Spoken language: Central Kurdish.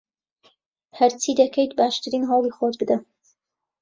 هەرچی دەکەیت، باشترین هەوڵی خۆت بدە.